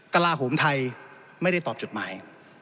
กระลาโหมไทยไม่ได้ตอบจดหมาย